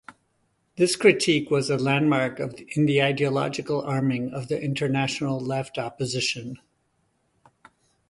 This critique was a landmark in the ideological arming of the International Left Opposition.